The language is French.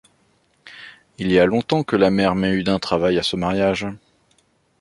Il y a longtemps que la mère Méhudin travaille à ce mariage.